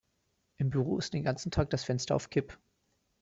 Im Büro ist den ganzen Tag das Fenster auf Kipp.